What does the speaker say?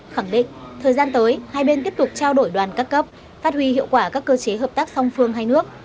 khẳng định thời gian tới hai bên tiếp tục trao đổi đoàn các cấp phát huy hiệu quả các cơ chế hợp tác song phương hai nước